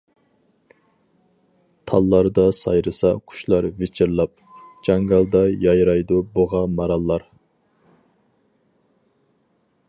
تاللاردا سايرىسا قۇشلار ۋىچىرلاپ، جاڭگالدا يايرايدۇ بۇغا ماراللار.